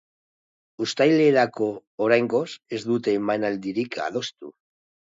Uztailerako, oraingoz, ez dute emanaldirik adostu.